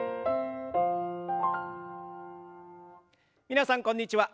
皆さんこんにちは。